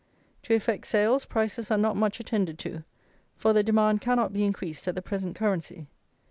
To effect sales, prices are not much attended to, for the demand cannot be increased at the present currency.